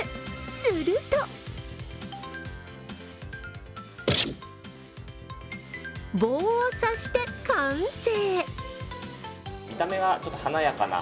すると棒を刺して完成。